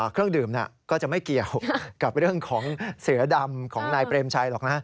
เครื่องดื่มก็จะไม่เกี่ยวกับเรื่องของเสือดำของนายเปรมชัยหรอกนะ